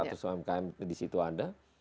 atau umkm di situ ada